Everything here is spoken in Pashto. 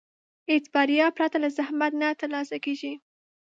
هېڅ بریا پرته له زحمت نه ترلاسه کېږي.